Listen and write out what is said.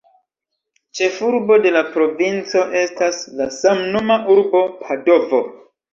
Ĉefurbo de la provinco estas la samnoma urbo Padovo.